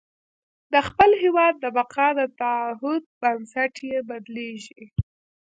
د خپل هېواد د بقا د تعهد بنسټ یې بدلېږي.